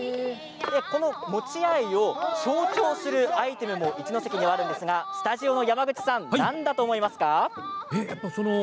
この餅愛を象徴するアイテムが一関にあるんですがスタジオの山口さん何だと思いますか？